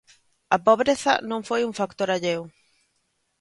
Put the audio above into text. A pobreza non foi un factor alleo.